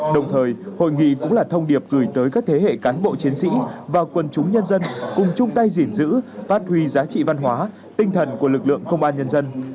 đồng thời hội nghị cũng là thông điệp gửi tới các thế hệ cán bộ chiến sĩ và quân chúng nhân dân cùng chung tay gìn giữ phát huy giá trị văn hóa tinh thần của lực lượng công an nhân dân